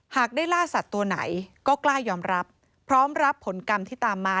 ได้ล่าสัตว์ตัวไหนก็กล้ายอมรับพร้อมรับผลกรรมที่ตามมา